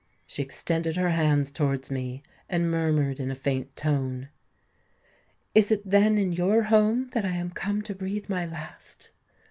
She extended her hand towards me, and murmured in a faint tone, '_Is it then in your home that I am come to breathe my last?